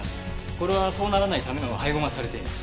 これはそうならないための配合がされています。